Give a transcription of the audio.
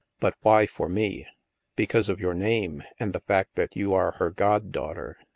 "But why forme?" " Because of your name, and the fact that you are her goddaughter.